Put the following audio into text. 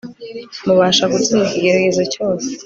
mubasha gutsinda ikigeragezo cyose